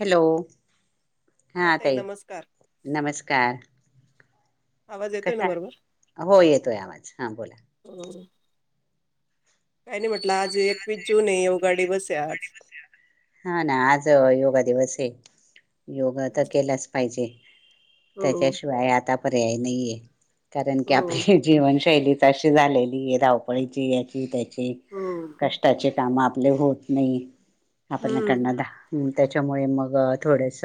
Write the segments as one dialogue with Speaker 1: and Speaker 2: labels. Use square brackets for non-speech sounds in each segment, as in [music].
Speaker 1: Hello हा
Speaker 2: ताई
Speaker 1: तई
Speaker 2: नमस्कार
Speaker 1: नमस्कार
Speaker 2: आवाज येतोय ना
Speaker 1: कशा
Speaker 2: बरोबर
Speaker 1: हो येतोय आवाज हा बोला
Speaker 2: काय नाही म्हट आज एकवीस जूनन आहे गाडी बस आज
Speaker 1: हा ना आज योगा दिवस आहे योगा तर केलाच पाहिजे
Speaker 2: हो
Speaker 1: त्याच्याशिवाय आता परर्याय नाही आहे कारण की
Speaker 2: हो
Speaker 1: आपली जीवनशैली तशी झालेली आहे धावपळीची याची त्या
Speaker 2: हो
Speaker 1: कष्टाचे त्यामुळ आपल होत नाही आहे. आपण
Speaker 2: हम्म
Speaker 1: करणार दहा. त्याच्यामुळ मग थोडस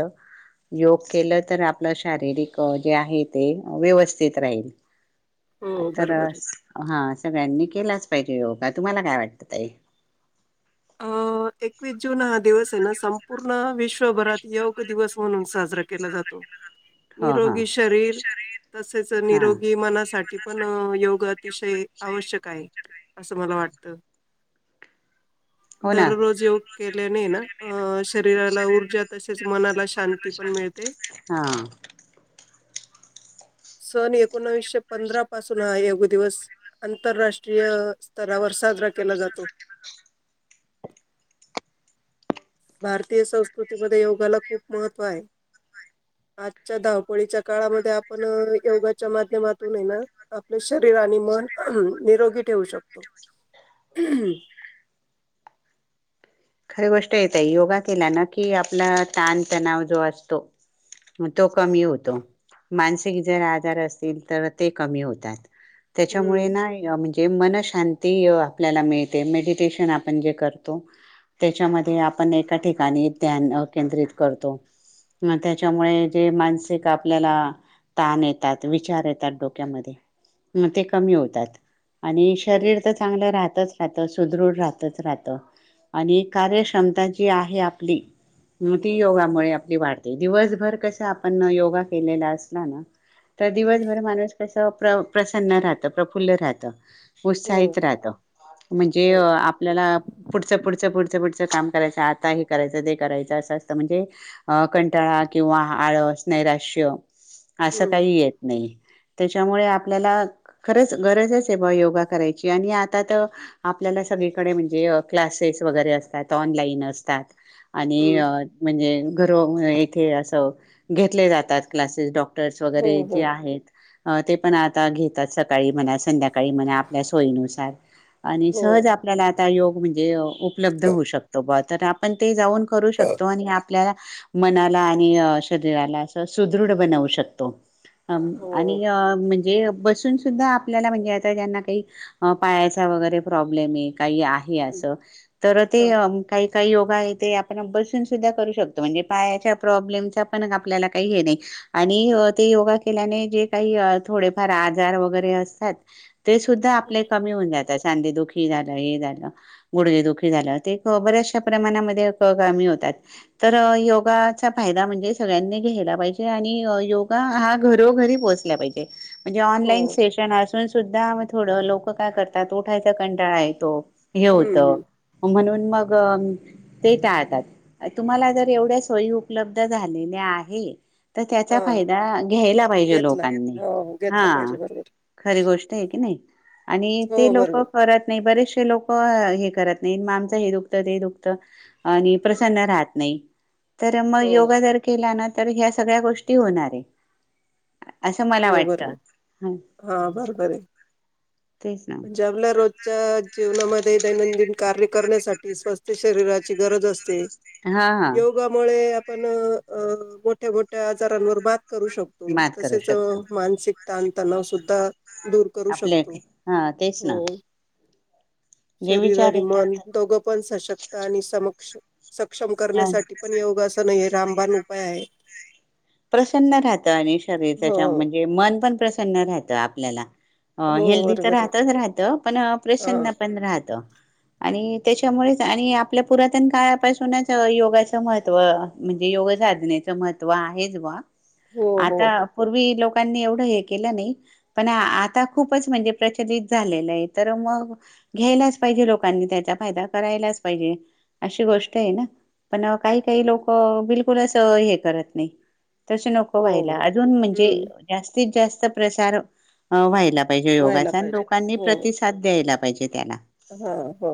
Speaker 1: योग केलं तर आपलं शारीरिक जे आहे ते व्यवस्थित राहील.
Speaker 2: हो
Speaker 1: तर
Speaker 2: बरोबर आहे
Speaker 1: हा सगळ्यांनी केलाच पाहिजे योगा तुम्हाला काय वाटत ताई.
Speaker 2: अ एकवीस जून हा दिवस आहे ना संपूर्ण विश्व जगभरात योग दिवस म्हणून साज- केला जातो
Speaker 1: हो हा
Speaker 2: निरोगी शरीर तसेच
Speaker 1: हा
Speaker 2: निरोगी मनासाठी पण योग अतिशय आवश्यक आहे. असं मला वाटत.
Speaker 1: हो ना
Speaker 2: दररोज योग केल्याने ना. अ, शरीराला ऊर्जा तसेच मनाला शांती पण मिळते.
Speaker 1: हा
Speaker 2: सन एकोणविसशे पंधरा पासून हा योग दिवस आंतरराष्ट्रीय स्तरावर साजरा केला जातो. भारतीय संस्कृतीमध्ये योगाला खूप महत्त्व आहे आजच्या धावपळीच्या काळामध्ये आपण योगाच्या माध्यमातूनही ना आपले शरीर आणि मन निरोगी ठेवू शकतो.
Speaker 1: खरी गोष्ट येत आहे योगा केला ना की आपला ताणतणाव जो असतो तो कमी होतो मानसिक जर आजार असतील तर ते कमी होतात. त्याच्यामुळे
Speaker 2: हम्म.
Speaker 1: ना. ज मनशांती आपल्याला मिळते मेडिटेशन आपण जे करतो. त्याच्यामध्ये आपण एका ठिकाणी ध्यान केंद्रित करतो म त्याच्यामुळे जे मानसिक आपल्याला ताण येतात विचार येतात डोक्यामध्ये म ते कमी होतात. आणि
Speaker 2: हो.
Speaker 1: शरीर तर चांगलं राहत राहत सुदृढ राहतच राहत. आणि कार्यक्षमता जी आहे आपली ती योगामुळे आपली वाढते दिवसभर कस आपण योगा केलेला असला ना. तर
Speaker 2: हम्म,
Speaker 1: दिवसभर माणूस क- प्र प्रसन्न राहत प्रफुल्ल राहत.
Speaker 2: हो.
Speaker 1: उत्साहित राहत म्हणजे
Speaker 2: हो.
Speaker 1: आपल्याला पुढचं- पुढचं -पुढचं काम करायचं आता हे करायचं ते करायचं असं असतं म्हणजे अ कंटाळा किंवा आळस नैराश्य. असं
Speaker 2: हम्म.
Speaker 1: काही येत नाही. त्याच्यामुळे आपल्याला खरंच गरजच आहे ब योगा करायची आणि आता तर आपल्याला सगळीकडे म्हणजे क्लासेस. वगैरे असतात ऑनलाईन असतात. आणि
Speaker 2: हम्म.
Speaker 1: म्हणजे- घरो इथे असं घेतले जातात क्लासेस डॉक्- डॉक्टरस
Speaker 2: हो.
Speaker 1: वगैरे जे
Speaker 2: हो.
Speaker 1: आहेत. अ ते पण आता घेतात सकाळी म्हणा संध्याकाळी म्हणा आपल्या सोयीनुसार. आणि
Speaker 2: हो.
Speaker 1: सहज आपल्याला- योग म्हणजे उपलब्ध होऊ शको बा तर आपण ते जाऊन करू शकतो आणि आप मनाला आणि शरीराला अस सुदृढ बनवू शकतो ह आणि
Speaker 2: हो.
Speaker 1: म्हणज ज बसून सुद्धा आपल्याला म्हणजे आता ज्यांना काही पायाचा वगैरे प्रॉब्लेम आहे काही आहे असं ते
Speaker 2: हां.
Speaker 1: काही काही योगा आपण बसून सुधा करू शकतो म्हणजे पायाच्या प्रब्लेम पण आपल्याला काही हे नाही आणि ते योगा केल्याने जे काही थोडेफार आजार वरे असतात ते सुद्धा आपले कमी होऊन जात चांदे दुखी झालं हे झालं गुड दुखी झा ते बऱ्याचशा प्रमाणामध्ये कामी होतात तर योगाचा फायदा म्हणजे सगळ्यांनी घ्यायला पाहिजे आणि योगा हा घरोघरी पोहोचला पाहिजे म्हणजे
Speaker 2: हो.
Speaker 1: ऑनलाईन सेशन असून सुद्धा थोडं लोक काय करतात उठायच कंटाळा येतो हे
Speaker 2: हं.
Speaker 1: होतं
Speaker 2: हं.
Speaker 1: म्हणून मग ते टाळतात तुम्हाला जर एवढ्या सोयी उपलब्ध झालेल्या आहेत. तर त्याचा
Speaker 2: हां.
Speaker 1: फायदा घ्यायला पाहिजे
Speaker 2: घेतला.
Speaker 1: लोकांनी
Speaker 2: हो.
Speaker 1: हा
Speaker 2: घेतला पाहिजे बरोबर.
Speaker 1: खरी गोष्ट आहे की नाही. आणि ते
Speaker 2: हो
Speaker 1: लोक
Speaker 2: बरोबर.
Speaker 1: करत नाही बरेच लोक हे करत. नाही मा आमचं हे दुखतं ते दुखतं. आणि प्रसन्न राहत नाही. तर मग
Speaker 2: हो
Speaker 1: योगा जर केला ना. तर ह्या सगळ्या गोष्टी होणार आहे. असं मला
Speaker 2: हो
Speaker 1: वाटतं
Speaker 2: बरोबर
Speaker 1: ह
Speaker 2: हा बरोबर आहे
Speaker 1: तेच ना
Speaker 2: म्हणजे आपल्या रोजच्या जीवनामध्ये दैनंदिन कार्य करण्यासाठी स्वस्थ शरीराची गरज असते.
Speaker 1: हा हा
Speaker 2: योगामुळेळे. पण मोठ्या मोठ्या आजारांवर बात करू शकतो
Speaker 1: मात करू
Speaker 2: तसेच.
Speaker 1: शकतो
Speaker 2: मानसिक तता नाव सुद्धा दूर करू
Speaker 1: आपले
Speaker 2: शकतो
Speaker 1: हा तेच ना
Speaker 2: हो
Speaker 1: जे
Speaker 2: शरीर
Speaker 1: विचार
Speaker 2: आणि मन
Speaker 1: येतात
Speaker 2: दोघं पण सशक्त आणि समक्ष सक्षम
Speaker 1: ह
Speaker 2: करण्यासाठी पण योग असं नाही आहे. रामबाान उपाय आहे.
Speaker 1: प्रसन्न राहतं अनिश
Speaker 2: हो
Speaker 1: म्ह म पण कर राहत आपल्याला अ
Speaker 2: हो
Speaker 1: हेल्दी तर
Speaker 2: बरोबर आहे
Speaker 1: राहतच राहतं पण
Speaker 2: हा
Speaker 1: प्रसन्न पण राहत. आणि त्याच्यामुळेच आणि आपल्या पुरातन काळापासूनच योगाचं महत्त्व म्हणजे योग साधनेचं महत्त्व आहे.
Speaker 2: हो
Speaker 1: [inaudible]
Speaker 2: हो
Speaker 1: आता
Speaker 2: हो
Speaker 1: पूर्वी लोक लोकांनी एवढं हे केलं नाही पण आता खूपच म्हणजे प्रचलित झालेलं आहे तर मग घ्यायलाच पाहिजे लोकांनी त्याचा फायदा करायलाच पाहिजे अशी गोष्ट आहे ना पण काही काही लोक बिलकुलच हे करत नाही. तस नको
Speaker 2: हो
Speaker 1: व्हायला अजून म्हणजे
Speaker 2: हम्म
Speaker 1: जास्तीत जास्त प्रचार व्हायला. पाहिजे
Speaker 2: व्हायला
Speaker 1: योगचान
Speaker 2: पाहिजे
Speaker 1: लोकांनी
Speaker 2: हो.
Speaker 1: प्रतिसाद द्यायला. पाहिजे त्याला
Speaker 2: हा हो.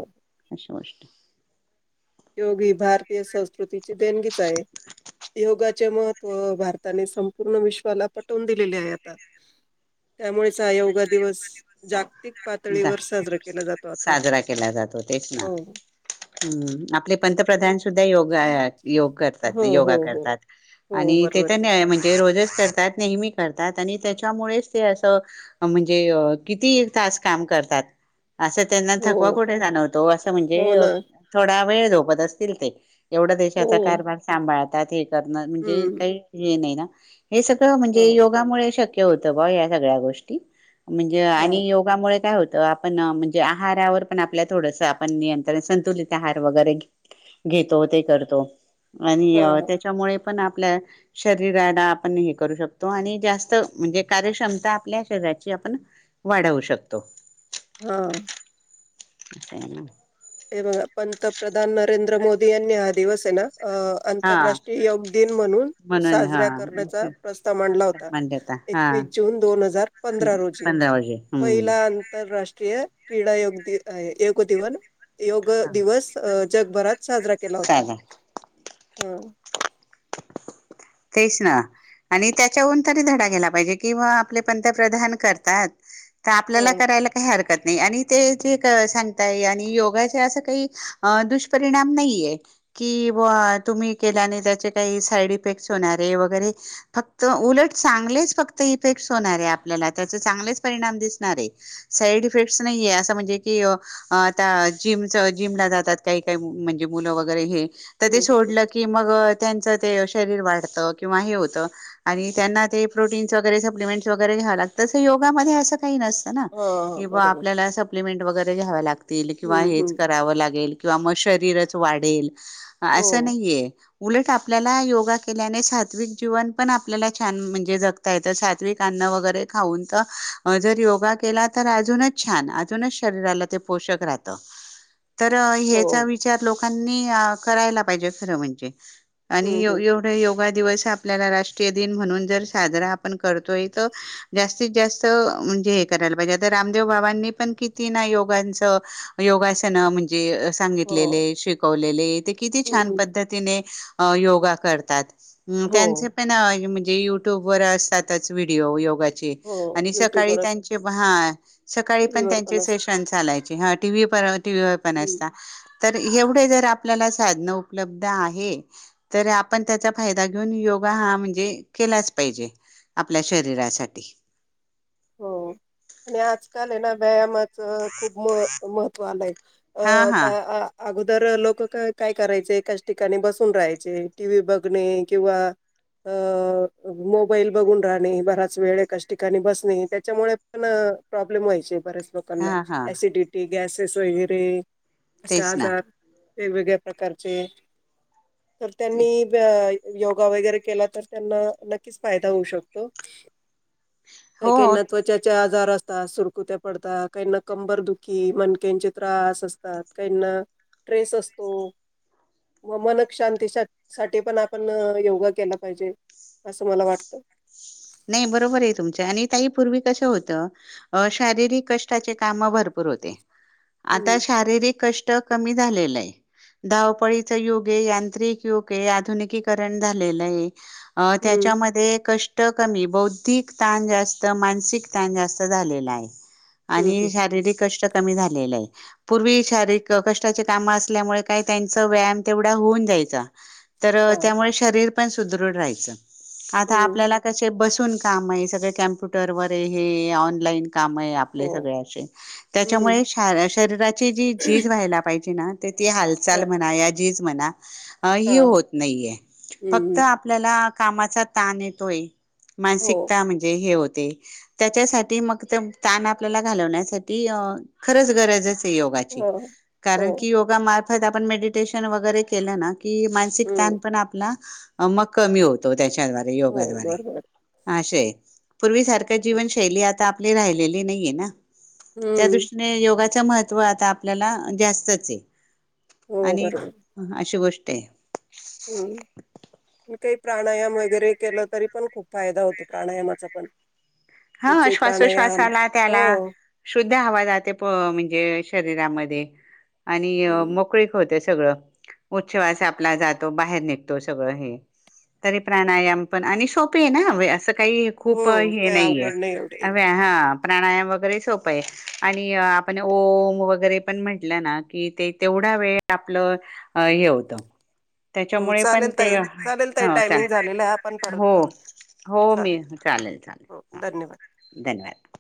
Speaker 1: विषष्ट
Speaker 2: योग ही भारतीय संस्कृतीची देणगीच आहे योगाचे महत्त्व भारताने संपूर्ण विश्वाला पटवून दिलेले आहे आता त्यामुळेच हा योगा दिवस जाग.
Speaker 1: एकदा साजरा केला जातो तेच ना
Speaker 2: हो.
Speaker 1: हम्. आपले पंतप्रधान सुद्धा योग योग करतात
Speaker 2: हो हो
Speaker 1: योगा
Speaker 2: हो
Speaker 1: करतात
Speaker 2: हो
Speaker 1: आणि तेथ
Speaker 2: बरोबर आहे
Speaker 1: म्हणजे रोजच तात नेहमी करतात आणि त्याच्यामुळेच ते असं म्हणजे किती तास काम करतात असं त्यांना
Speaker 2: हो
Speaker 1: थकवा कुठे जाणवतो असं म्हणजे
Speaker 2: हो ना
Speaker 1: थोडा वेळ झोपत असतील ते एवढा
Speaker 2: हो.
Speaker 1: देशाचा कारभार सांभाळत [unintelligible] कर म्हणजे
Speaker 2: हम्म
Speaker 1: काही हे नाही ना हे सगळं
Speaker 2: हो
Speaker 1: म्हणजे योगामुळे शक्य होतं भा या सगळ्या गोष्टी म्हणजे
Speaker 2: हा
Speaker 1: आणि योगामुळे काय होत आपण म्हणजे आहारावर पण आपल्या थोडस आपण नियंत्रण संतुलित आहार वगैरे घेतो ते करतो आणि
Speaker 2: हा हा
Speaker 1: त्याच्यामुळे आपण आपल्या शरीराला आपण हे करू शकतो आणि जास्त म्हणजे कार्यक्षमता आपल्या शरीराची आपण वाढवू शकतो कत्तो
Speaker 2: हा
Speaker 1: ह
Speaker 2: प्र्रधान नरेंद्र मोदी यांनी हा दिवस आहे ना अ
Speaker 1: हा
Speaker 2: आंतरराष्ट्रीय योग दिन म्हणून
Speaker 1: म्हणून हा
Speaker 2: साजरा करण्याचा प्रस्ताव मांडला होता
Speaker 1: मांडता हा
Speaker 2: एकवीस जून दोन हजार पंधरा रोजी
Speaker 1: पंधरा वाजे हम्म
Speaker 2: पहिला आंतरराष्ट्रीय क्रीडा योगदीन योग दिवन. योग
Speaker 1: हा
Speaker 2: दिवस अ जगभरात साजरा केला होता.
Speaker 1: चालेल
Speaker 2: हां
Speaker 1: तेच ना आणि त्याच्याहून तरी धडा घ्यायला पाहिजे किंवा आपले पंतप्रधान करतात. तर
Speaker 2: हो
Speaker 1: आपल्याला करायला काही हरकत. नाही आणि ते ज सांगताय आणि योगाचे असं काही दुष्परिणाम नाहीय कि बघा तुम्ही केल्याने त्याचे काही साईड! इफेक्ट होणारे वगैरे फक्त उलट चांगलेच फक्त इफेक्ट होणारे आपल्याला त्याचे चांगलेच परिणाम दिसणार आहे साईड इफेक्टस नाहीये असं म्हणजे की आता जिमच जिमला जातात काही काही म्हणजे मुलं वगैरे हे! तर ते
Speaker 2: हम्म हम्म.
Speaker 1: सोडलं की मग- त्यांच आहे ते यश! शरीर वाढत किंवा हे होत आणि त्यांना ते प्रोटीनच वगैरे सप्लीमेंट वगैरे घ्यावे लागतात तसं योगामध्ये अस का! काही नसत ना
Speaker 2: हा हा,
Speaker 1: किंवा
Speaker 2: बरोबर
Speaker 1: आपल्याला अस! पेमेंट वगैरे घ्यावे लागतात. केलं किंवा
Speaker 2: हम्म
Speaker 1: हेच
Speaker 2: हम्म
Speaker 1: करावं लागेल. किंवा मग शरीरच वाढेल.
Speaker 2: हो
Speaker 1: असं नाहीये. उलट आपल्याला योग- योगा केल्याने सात्विक जीवन पण आपल्याला छान म्हणजे जगता येत सात्विक अन्न वगैरे खाऊन तर जर योगा केला तर अजूनच छान अजूनच शरीराला ते पोषक राहत. तर
Speaker 2: हो
Speaker 1: ह्याचा विचार लोक! लोकांनी करायला पाहिजे खर म्हणजे. आणि
Speaker 2: हम्म
Speaker 1: येऊन-
Speaker 2: हम्म
Speaker 1: येऊन योगा दिवस आपल्या राष्टीय दिन म्हणून जर साजरा आपण करतोय तर जास्तीत जास्त म्हणजे हे करायला पाहिजे आ रामदेव बाबांनी पण किती योगांचं योगासन म्हणजे!
Speaker 2: हो
Speaker 1: सांगितलेले शिकवलेले ते किती छान
Speaker 2: हम्म
Speaker 1: पद्धतीने- योगा करत- त्यात हां
Speaker 2: हो
Speaker 1: त्यांचे पण आहे मन - युट्यूब वर असतातच व्हिडिओ योगाचे!
Speaker 2: हो
Speaker 1: आणि
Speaker 2: युट्यूब
Speaker 1: सकाळी
Speaker 2: वर असत
Speaker 1: त्यांचे भान - सकाळी
Speaker 2: टीव्ही
Speaker 1: पण
Speaker 2: वर
Speaker 1: त्यांचे
Speaker 2: असत
Speaker 1: सेशन चालायचे. हा टी वी वर. टी वी ओपन
Speaker 2: हम्म
Speaker 1: असता. तर एवढे जर आपल्याला साधन उपलब्ध आहे तर आ - आपण त्याचा फायदा घेऊन योगा हा म्हणजे केलाच पाहिजे आपल्या शरीरासाठी!
Speaker 2: हो आणि आजकाल आहे ना व्यायामात! च खूप महत्व आलंय अ
Speaker 1: हा हा
Speaker 2: का आ - अगोदर लोक का काय करायचे एकाच ठिकाणी बसून राहायचे टी व्ही बघणे किंवा अ मोबाईल बघून राहणे बराच वेळे एकाच ठिकाणी बसणे. आ! त्याच्यामुळे पण प्रॉब्लेम व्हायचे बरेच.
Speaker 1: हा
Speaker 2: कलो
Speaker 1: हा
Speaker 2: एसिडिटी गॅसेस वगैरे अशा
Speaker 1: तेच ना
Speaker 2: हजार वेगवेगळ्या प्रकारचे तर
Speaker 1: ते
Speaker 2: त्यांनी योगा वगैरे केला तर त्यांना नक्कीच फायदा होऊ शकतो काही
Speaker 1: हो
Speaker 2: काहींना त्वचाचे आजार असतात सुरकुत्या पडतात काहीना कंबर दुखी मणक्यांचे त्रास असतात काहीना ट्रेस असतो म मनक शांती साठी पण आपण योगा केला पाहिजे असं मला वाटत
Speaker 1: नाही बरोबर आहे तुमच्या आणि त्याही पूर्वी कसं होतं शारीरिक कष्टाचे काम भरपूर होते
Speaker 2: हम्म.
Speaker 1: आता शारीरिक कष्ट कमी झालेलं आहे धावपळीच युग यांत्रिक युग आहे आधुनिकीकरण झालेलंय अ
Speaker 2: हम्म.
Speaker 1: त्याच्यामध्ये क कमी बौद्धिक ताण जास्त मानसिक ताण जास्त झालेला आहे
Speaker 2: हम्म.
Speaker 1: आणि
Speaker 2: हम्म.
Speaker 1: शारीरिक कष्ट क झा पूर्वी शारीरिक का काम असल्यामुळे काही त्यांचा व्यायाम तेवढा होऊन जायचा तर
Speaker 2: हा.
Speaker 1: त्यामुळे शरीर पण सुदृढ राहाचं... आता
Speaker 2: हम्म.
Speaker 1: आपल्याला... बसून काम आहे सगळे कम्प्युटर वर आहे हे ऑनलाईन... काम आपले
Speaker 2: हो.
Speaker 1: सगळेे
Speaker 2: हम्म.
Speaker 1: त्याच्यामुळे श शरीराची जी झीज व्हायला पाहिजे ना... ते ती हालचाल
Speaker 2: ह.
Speaker 1: म्हणा... झीज म्हणा.
Speaker 2: हा.
Speaker 1: होत नाहीये फक्त
Speaker 2: हम्म.
Speaker 1: आपल्याला... कामाचा ताण येतोय.
Speaker 2: हो.
Speaker 1: मानसिकता म्हणजे हे होत.. त्याच्यासाठी मग तण आपल्याला घालवण्यासाठी खरंच गरज.. योगाची
Speaker 2: हो. हो.
Speaker 1: कारण की योग... त आपण मेडिटेशन वगैरे केलं ना. कि मानसिक
Speaker 2: हम्म.
Speaker 1: ताण पण आपला... मग कमी होतो. त्याच्यादवारे
Speaker 2: हो.
Speaker 1: योगाद्वारे..
Speaker 2: बरोबर.
Speaker 1: असे.. पूर्वी सारख्या जीवनशैली आता... आपले राहिलेले नाहीये ना... त्या
Speaker 2: हम्म.
Speaker 1: दृष्टीने योगा.. महत्व आता आपल्याला जास्तच आहे...
Speaker 2: हो.
Speaker 1: आणि अशी गोष्टी... तेे...
Speaker 2: हम्... काही प्राणायाम वगैरे केलं तरी पण खूप फायदा होतो प्राणायामाचा पण..
Speaker 1: हा
Speaker 2: उच्चे प्राणायाम
Speaker 1: श्वासोश्वासाला
Speaker 2: हो
Speaker 1: त्याला शुद्ध हवा जाते म्हणजे... शरीरामध्ये.. आणि मोकळी खा होते.... सगळ श्वास आपला जातो बाहेर निघतो सगळं हे तरी प्राणायाम पण आणि सोपे आहे ना अस... काही खूप
Speaker 2: हो
Speaker 1: हे
Speaker 2: काय
Speaker 1: नाहीे..
Speaker 2: अवघड नाही एवढे
Speaker 1: अ्या हा प्राणायाम.. वगैरे सोप आहे आणि आपण ओम वगैरे पण म्हटलं ना कि ते तेवढा वेळ आपलं हे होत....
Speaker 2: हो
Speaker 1: त्याच्यामुळे पण
Speaker 2: चालेल
Speaker 1: ते
Speaker 2: ताई चालेल ताई
Speaker 1: ह
Speaker 2: टायमिंग झालेला आहे आपण
Speaker 1: चालेल
Speaker 2: परत
Speaker 1: हो
Speaker 2: करू
Speaker 1: हो मी
Speaker 2: चालेल
Speaker 1: चालेल
Speaker 2: हो
Speaker 1: चालेल.
Speaker 2: धन्यवाद
Speaker 1: धन्यवाद